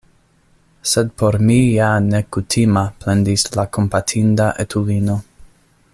"Sed por mi ja ne kutima," plendis la kompatinda etulino.